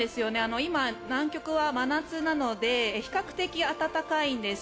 今、南極は真夏なので比較的暖かいんです。